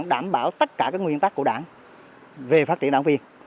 đảm bảo tất cả các nguyên tắc của đảng về phát triển đảng viên